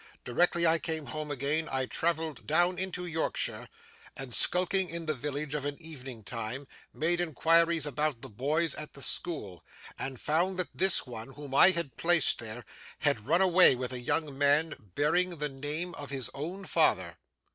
Directly I came home again, I travelled down into Yorkshire, and, skulking in the village of an evening time, made inquiries about the boys at the school, and found that this one, whom I had placed there, had run away with a young man bearing the name of his own father.